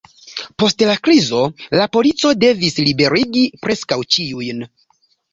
Post la krizo, la polico devis liberigi preskaŭ ĉiujn.